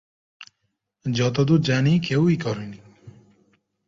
যতদূর জানি, কেউই করেনি।